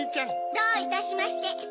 どういたしまして。